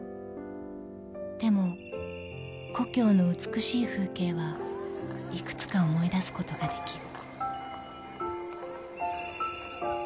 ［でも故郷の美しい風景はいくつか思い出すことができる］